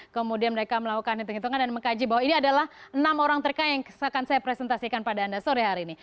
kemudian mereka melakukan hitung hitungan dan mengkaji bahwa ini adalah enam orang terkaya yang akan saya presentasikan pada anda sore hari ini